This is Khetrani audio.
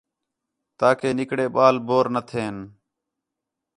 تاکہ نِکرے ٻال بور نہ تھئین